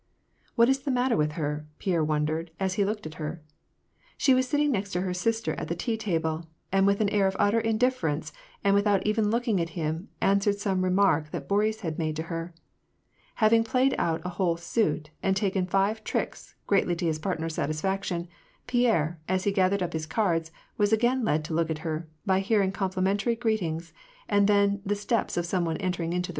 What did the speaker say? " What is the matter with her ?" Pierre wondered, as he looked at her. She Avas sitting next her sister at the tea table, and with an air of utter indifference, and without even look ing at him, answered some remark that Boris had made to her. Having played out a whole suit, and taken five tricks, greatly to his partner's satisfaction, Pierre, as he gathered up his cards, was again led to look at her, by hearing complimentary greetings, and then the steps of some one entering the room.